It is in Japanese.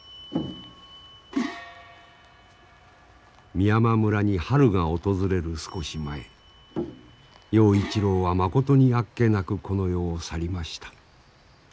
美山村に春が訪れる少し前陽一郎はまことにあっけなくこの世を去りました。